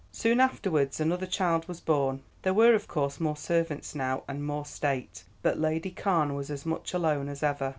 "Soon afterwards another child was born. There were, of course, more servants now, and more state, but Lady Carne was as much alone as ever.